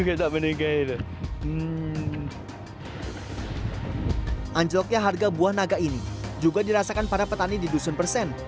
anjloknya harga buah naga ini juga dirasakan para petani di dusun persen